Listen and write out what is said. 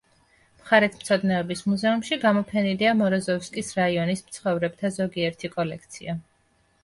მხარეთმცოდნეობის მუზეუმში გამოფენილია მოროზოვსკის რაიონის მცხოვრებთა ზოგიერთი კოლექცია.